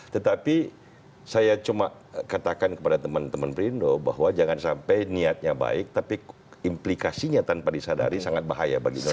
tetapi saya cuma katakan kepada teman teman perindo bahwa jangan sampai niatnya baik tapi implikasinya tanpa disadari sangat bahaya bagi indonesia